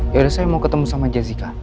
yaudah saya mau ketemu sama jessica